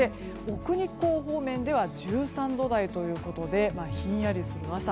奥日光方面では１３度台ということでひんやりする朝。